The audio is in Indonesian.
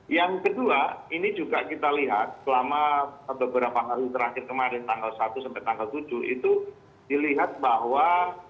yang kedua ini juga kita lihat selama beberapa hari terakhir kemarin tanggal satu sampai tanggal tujuh itu dilihat bahwa